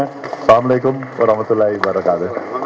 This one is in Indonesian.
assalamu alaikum warahmatullahi wabarakatuh